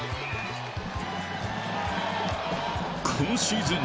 今シーズン